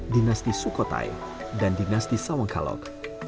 dinasti sukotai dan dinasti sawangkalok